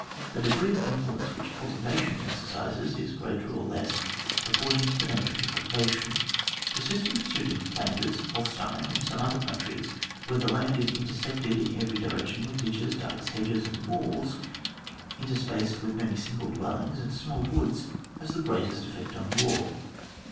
The degree of influence which cultiva tion exercises is greater or less according to the nature of the cultivation ; the system pursued in Flanders, Holstein, and some other countries, where the land is intersected in every direction with ditches, dykes, hedges, and walls, inter spersed with many single dwellings and small woods has the greatest effect on war.